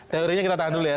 teorinya kita tahan dulu ya